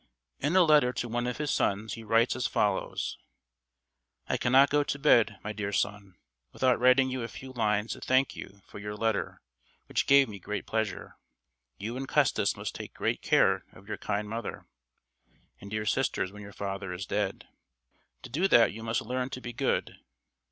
In a letter to one of his sons he writes as follows: "I cannot go to bed, my dear son, without writing you a few lines to thank you for your letter, which gave me great pleasure ... You and Custis must take great care of your kind mother and dear sisters when your father is dead. To do that you must learn to be good.